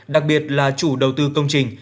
đặc biệt là chủ đầu tư công trình